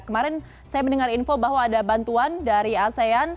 kemarin saya mendengar info bahwa ada bantuan dari asean